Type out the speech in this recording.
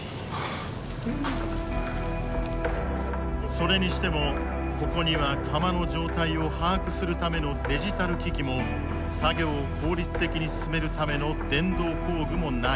それにしてもここには釜の状態を把握するためのデジタル機器も作業を効率的に進めるための電動工具もない。